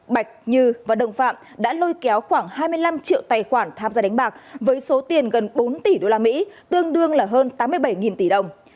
bạch như và đồng phạm đã lôi kéo khoảng hai mươi năm triệu tài khoản tham gia đánh bạc với số tiền gần bốn tỷ usd tương đương là hơn tám mươi bảy tỷ đồng